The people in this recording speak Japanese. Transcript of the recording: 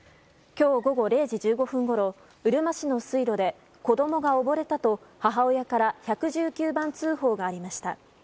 今日午後０時１５分ごろうるま市の水路で子供が溺れたと母親から１１９番通報がありました。